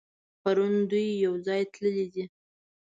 پرون دوی يوځای تللي دي.